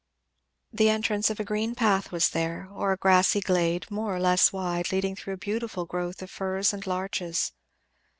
The entrance of a green path was there, or a grassy glade, more or less wide, leading through a beautiful growth of firs and larches.